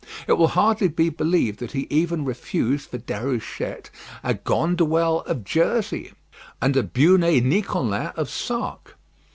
It will hardly be believed that he even refused for Déruchette a Ganduel of Jersey, and a Bugnet Nicolin of Sark.